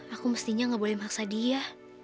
aku mestinya gak boleh maksa dia